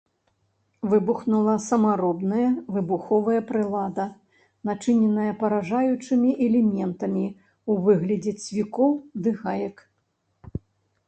Выбухнула самаробная выбуховая прылада, начыненая паражаючымі элементамі ў выглядзе цвікоў ды гаек.